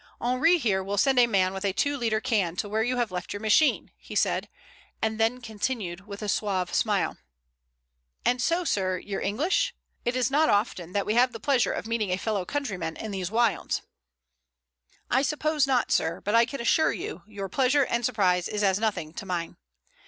"Henri, here, will send a man with a two liter can to where you have left your machine," he said, then continued with a suave smile: "And so, sir, you're English? It is not often that we have the pleasure of meeting a fellow countryman in these wilds." "I suppose not, sir, but I can assure you your pleasure and surprise is as nothing to mine.